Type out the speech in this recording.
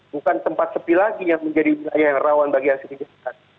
bukan tempat sepi lagi yang menjadi wilayah yang rawan bagi hasil kejahatan